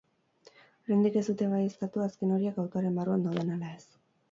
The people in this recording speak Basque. Oraindik ez dute baieztatu azken horiek autoaren barruan dauden ala ez.